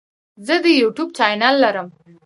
زه د یوټیوب چینل لرم.